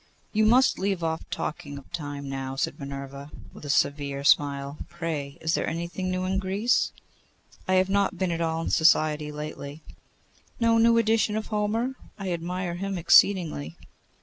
'You must leave off talking of Time now,' said Minerva, with a severe smile. 'Pray is there anything new in Greece?' 'I have not been at all in society lately.' 'No new edition of Homer? I admire him exceedingly.